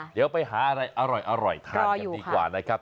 เดี๋ยวไปหาอะไรอร่อยทานกันดีกว่านะครับ